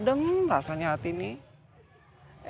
madeng rasanya hati nih